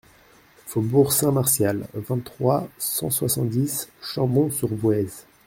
Faubourg Saint-Martial, vingt-trois, cent soixante-dix Chambon-sur-Voueize